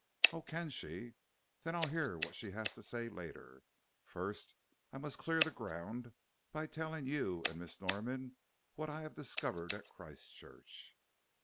"Oh, can she? Then I'll hear what she has to say later. First, I must clear the ground by telling you and Miss Norman what I have discovered at Christchurch."